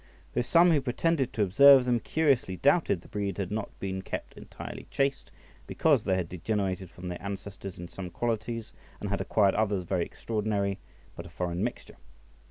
Though some who pretended to observe them curiously doubted the breed had not been kept entirely chaste, because they had degenerated from their ancestors in some qualities, and had acquired others very extraordinary, but a foreign mixture.